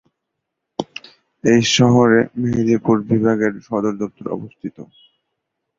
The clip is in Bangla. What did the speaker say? এই শহরে মেদিনীপুর বিভাগের সদর দপ্তর অবস্থিত।